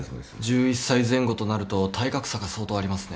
１１歳前後となると体格差が相当ありますね。